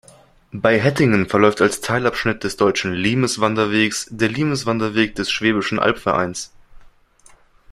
Bei Hettingen verläuft als Teilabschnitt des Deutschen Limes-Wanderwegs der Limes-Wanderweg des Schwäbischen Albvereins.